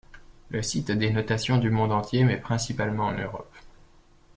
Le site a des notations du monde entier, mais principalement en Europe.